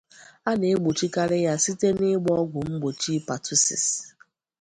A na-egbochikarị ya site n'ịgba ọgwụ mgbochi patusis.